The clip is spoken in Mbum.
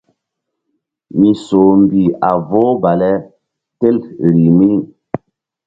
Misoh mbih a vohu bale tel rih mi.